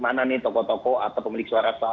mana nih tokoh tokoh atau pemilik suara